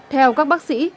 theo các bác sĩ